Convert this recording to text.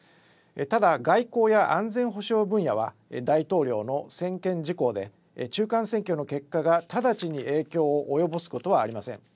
ただ外交や安全保障分野は大統領の専権事項で中間選挙の結果が直ちに影響を及ぼすことはありません。